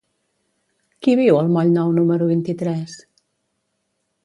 Qui viu al moll Nou número vint-i-tres?